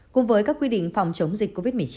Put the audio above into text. cùng với các quy định phòng chống dịch covid một mươi chín